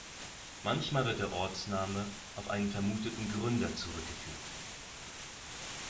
Manchmal wird der Ortsname auf einen vermuteten Gründer zurückgeführt.